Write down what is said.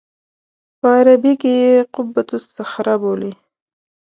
په عربي کې یې قبة الصخره بولي.